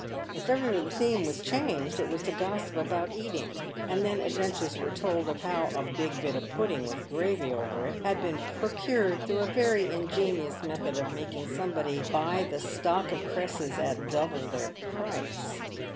If ever the theme was changed it was to gossip about eating, and then adventures were told of how " a big bit of pudding with gravy over it," had been pro cured through a very ingenious method of making somebody buy the stock of cresses at double their price.